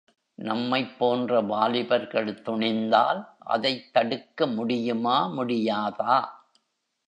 நம்மைப் போன்ற வாலிபர்கள் துணிந்தால் அதைத் தடுக்க முடியுமா முடியாதா?